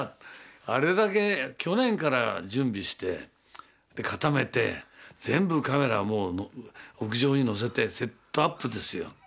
あれだけ去年から準備して固めて全部カメラもう屋上に載せてセットアップですよ。